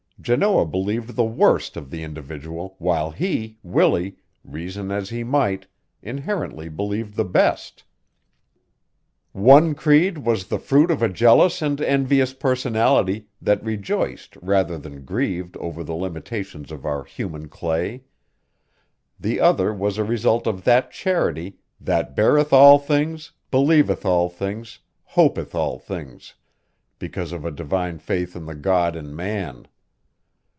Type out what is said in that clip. Janoah believed the worst of the individual while he, Willie, reason as he might, inherently believed the best. One creed was the fruit of a jealous and envious personality that rejoiced rather than grieved over the limitations of our human clay; the other was a result of that charity that beareth all things, believeth all things, hopeth all things, because of a divine faith in the God in man.